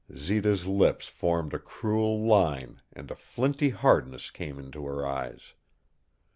Zita's lips formed a cruel line and a flinty hardness came into her eyes.